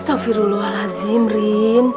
dan bertepuan dengan agung